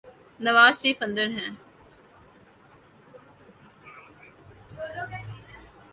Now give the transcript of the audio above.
نوازشریف اندر ہیں۔